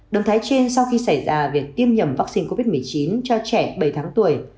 động thái trên sau khi xảy ra việc tiêm nhầm vaccine covid một mươi chín cho trẻ bảy tháng tuổi